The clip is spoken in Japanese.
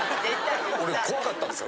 俺怖かったんですよ。